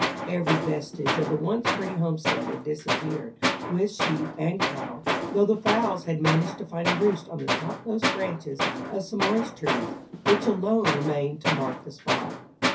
Every vestige of the once pretty homestead had disappeared, with sheep and cattle, though the fowls had managed to find a roost on the topmost branches of some orange trees, which alone remained to mark the spot.